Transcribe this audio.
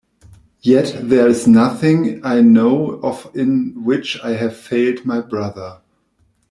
Yet there is nothing I know of in which I have failed my brother.